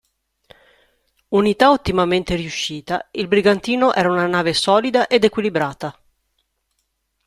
Unità ottimamente riuscita, il brigantino era una nave solida ed equilibrata.